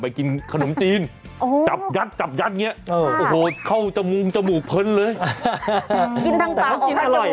แต่กินอร่อยจริงนะดูนี่มือโกยออกเลย